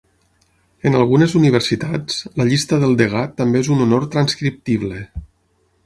En algunes universitats, la llista del degà també és un honor transcriptible.